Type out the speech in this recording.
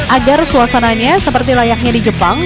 agar suasananya seperti layaknya di jepang